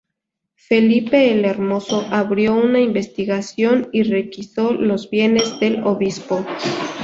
Felipe el Hermoso abrió una investigación y requisó los bienes del obispo.